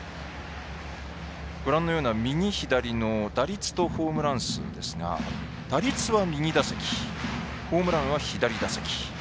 右左の打率とホームラン数ですが打率は右打席ホームランは左打席です。